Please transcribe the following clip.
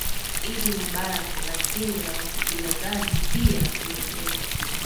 idd mubarak lakini na wasikilizaji pia tungependa